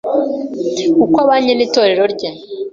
uko abanye n’itorero rye